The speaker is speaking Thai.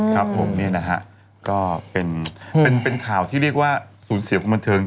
ครับผมนี่นะฮะก็เป็นข่าวที่เรียกว่าสูญเสียคนบันเทิง